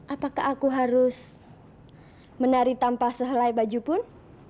apakah aku harus menari tanpa sehelai baju pun